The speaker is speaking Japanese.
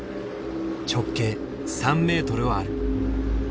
直径３メートルはある。